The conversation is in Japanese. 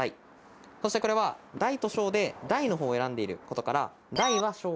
そしてこれは大と小で大のほうを選んでいることから。